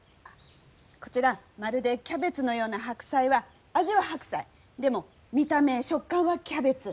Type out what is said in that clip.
こちら「まるでキャベツのような白菜」は味は白菜でも見た目・食感はキャベツ。